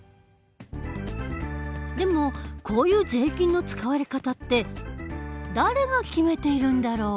でもこういう税金の使われ方って誰が決めているんだろう？